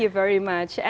terima kasih banyak